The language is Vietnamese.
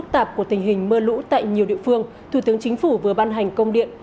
tạp của tình hình mưa lũ tại nhiều địa phương thủ tướng chính phủ vừa ban hành công điện